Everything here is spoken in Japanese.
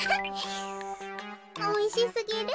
おいしすぎる。